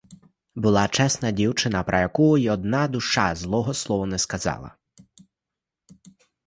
Була чесна дівчина, про яку й одна душа злого слова не сказала.